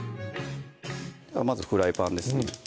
まずフライパンですね